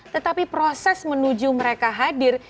tetapi proses menuju mereka hadir